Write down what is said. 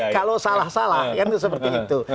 kalau salah salah kan seperti itu